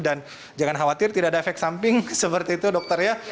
dan jangan khawatir tidak ada efek samping seperti itu dokter ya